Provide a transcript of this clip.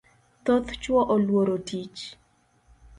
Thoth chuo oluoro tich